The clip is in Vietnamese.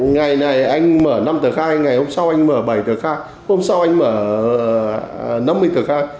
ngày này anh mở năm tờ khai ngày hôm sau anh mở bảy tờ khai hôm sau anh mở năm mươi tờ khai